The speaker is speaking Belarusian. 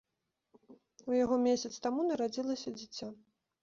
У яго месяц таму нарадзілася дзіця.